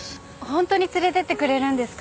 ホントに連れてってくれるんですか？